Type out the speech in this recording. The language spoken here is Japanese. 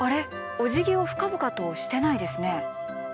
おじぎを深々としてないですね。